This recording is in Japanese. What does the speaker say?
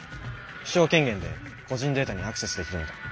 首長権限で個人データにアクセスできるので。